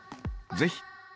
ぜひ。